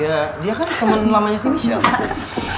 ya dia kan temen lamanya si michelle